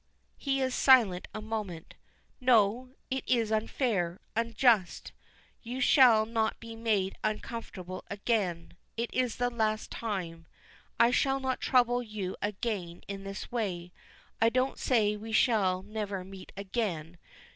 He is silent a moment, "No it is unfair unjust! You shall not be made uncomfortable again. It is the last time.... I shall not trouble you again in this way. I don't say we shall never meet again.